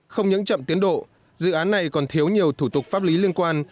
không những chậm tiến độ dự án này còn thiếu nhiều thủ tục pháp lý liên quan